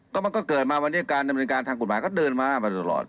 ก็มันก็เกิดมาวันนี้การทำกุฎหมายก็เดินมาตลอด